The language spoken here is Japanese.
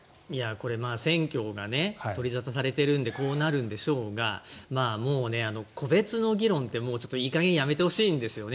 これ選挙が取り沙汰されているのでこうなるんでしょうが個別の議論って、もういい加減やめてほしいんですよね。